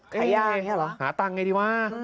ขายยาอย่างนี้เหรอหาตังค์ไงดีวะ